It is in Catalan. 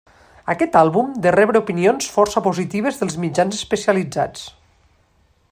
Aquest àlbum de rebre opinions força positives dels mitjans especialitzats.